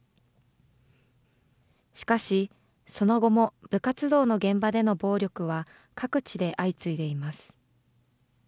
しかし、その後も部活動の現場での暴力は、各地で相次いでいます。